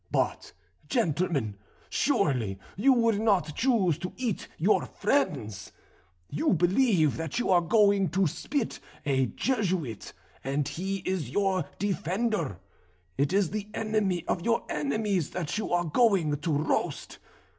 But, gentlemen, surely you would not choose to eat your friends. You believe that you are going to spit a Jesuit, and he is your defender. It is the enemy of your enemies that you are going to roast.